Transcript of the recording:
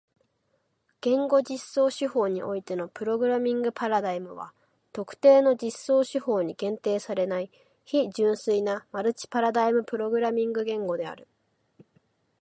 言語実装手法においてのプログラミングパラダイムは特定の実装手法に限定されない非純粋なマルチパラダイムプログラミング言語である。